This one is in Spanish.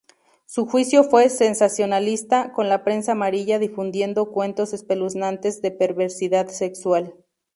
Su juicio fue sensacionalista, con la prensa amarilla difundiendo cuentos espeluznantes de perversidad sexual.